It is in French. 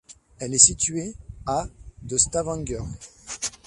Elle est située à de Stavanger.